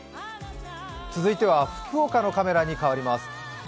続いては福岡のカメラに変わります。